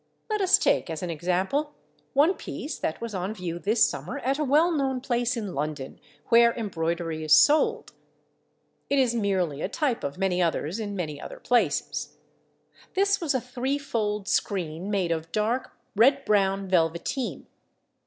Let us take as an example one piece that was on view this summer at a well known place in London where embroidery is sold. It is merely a type of many others in many other places. This was a threefold screen made of dark red brown velveteen.